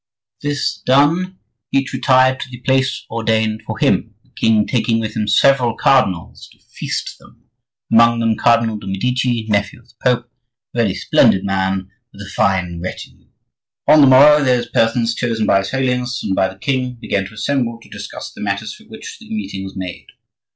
This done, each retired to the place ordained for him, the king taking with him several cardinals to feast them,—among them Cardinal de' Medici, nephew of the Pope, a very splendid man with a fine retinue. "On the morrow those persons chosen by his Holiness and by the king began to assemble to discuss the matters for which the meeting was made.